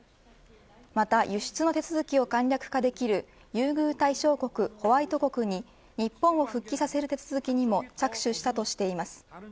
また輸出の手続きを簡略化できる優遇対象国ホワイト国に日本を復帰させる手続きにも着手したとしています。